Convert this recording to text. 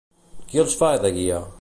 Qui els fa de guia?